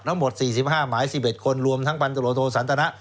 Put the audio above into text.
ทั้งหมด๔๕หมาย๑๑คนรวมทั้งพันตรวจโทสันตนะ